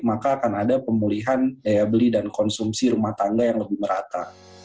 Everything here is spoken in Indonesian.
maka akan ada pemulihan daya beli dan konsumsi rumah tangga yang lebih merata